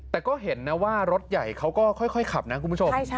แต่ก็เห็นนะว่ารถใหญ่เขาก็ค่อยขับนะคุณผู้ชม